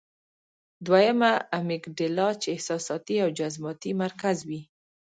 دويمه امېګډېلا چې احساساتي او جذباتي مرکز وي -